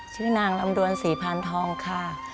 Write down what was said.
ชื่อนางลำดวนศรีพานทองค่ะ